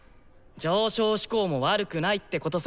上昇志向も悪くないってことさ。